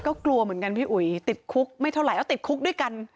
ก็กลัวเหมือนกันพี่อุ๋ยติดคุกไม่เท่าไหร่เอาติดคุกด้วยกัน